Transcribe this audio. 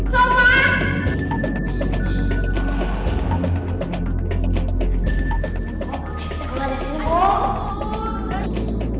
bagaimana juga membuat